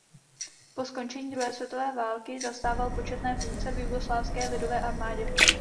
Po skončení druhé světové války zastával početné funkce v Jugoslávské lidové armádě.